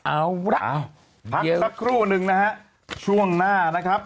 เอาล่ะพักสักครู่นึงนะฮะช่วงหน้านะครับ